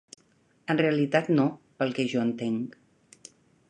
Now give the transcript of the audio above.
En realitat no, pel que jo entenc.